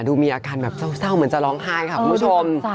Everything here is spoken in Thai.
ดูมีอาการแบบเศร้าเหมือนจะร้องไห้ค่ะคุณผู้ชม